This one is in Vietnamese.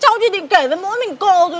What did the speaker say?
cháu chỉ định kể cho mỗi mình cô rồi này